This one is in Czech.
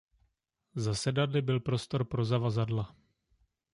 Za sedadly byl prostor pro zavazadla.